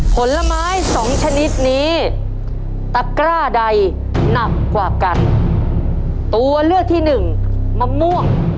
ผลไม้สองชนิดนี้ตะกร้าใดหนักกว่ากันตัวเลือกที่หนึ่งมะม่วง